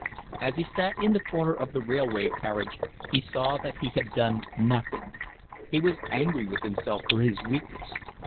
As he sat in the corner of the railway carriage he saw that he had done nothing. He was angry with himself for his weakness.